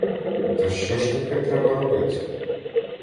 Та що ж таке треба робить?